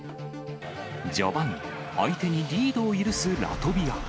序盤、相手にリードを許すラトビア。